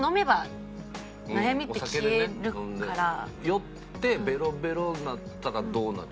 酔ってベロベロになったらどうなる？